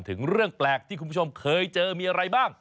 ถึงเรื่องแปลกที่คุณผู้ชมเคยเจอมีอะไรบ้าง